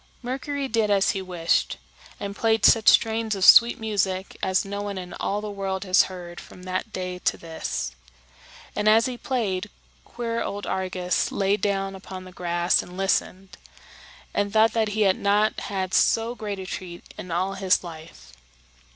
Mercury did as he wished, and played such strains of sweet music as no one in all the world has heard from that day to this. And as he played, queer old Argus lay down upon the grass and listened, and thought that he had not had so great a treat in all his life.